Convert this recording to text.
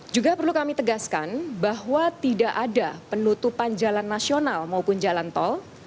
juga perlu kami tegaskan bahwa tidak ada penutupan jalan nasional maupun jalan tol